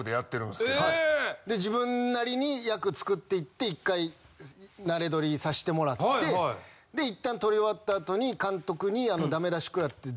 自分なりに役作っていって１回ナレ録りさせてもらって一旦録り終わった後に監督にダメ出し食らって。